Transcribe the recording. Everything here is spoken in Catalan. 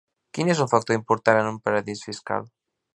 Quin és un factor important en un paradís fiscal?